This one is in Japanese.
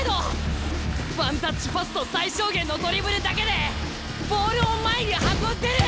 ワンタッチパスと最小限のドリブルだけでボールを前に運んでる！